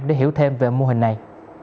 để hiểu thêm về mô hình này